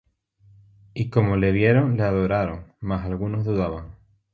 Y como le vieron, le adoraron: mas algunos dudaban.